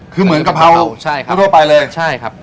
คือเหมือนกะเภาทำโทรไปเลย